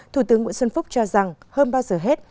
thủ tướng nguyễn xuân phúc cho rằng hơn bao giờ hết